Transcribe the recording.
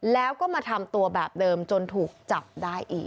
แล้วก็มาทำตัวแบบเดิมจนถูกจับได้อีก